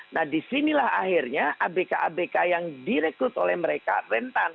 nah disinilah akhirnya abk abk yang direkrut oleh mereka rentan